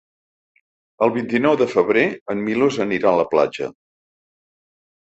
El vint-i-nou de febrer en Milos anirà a la platja.